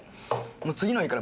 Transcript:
次の日から。